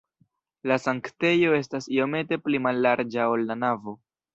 La sanktejo estas iomete pli mallarĝa, ol la navo.